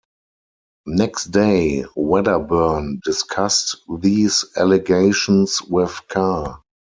Next day Wedderburn discussed these allegations with Carr.